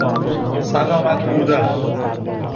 سلامت بودن